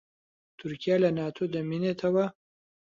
تورکیا لە ناتۆ دەمێنێتەوە؟